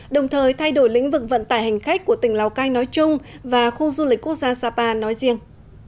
đồng thời thay đổi lĩnh vực vận tải hành khách của tỉnh lào cai nói chung và khu du lịch quốc gia sapa nói riêng